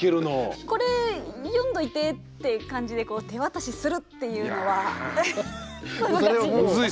これ読んどいてって感じで手渡しするっていうのは難しいですか？